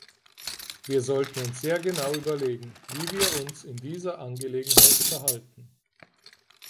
Wir sollten uns sehr genau überlegen, wie wir uns in dieser Angelegenheit verhalten.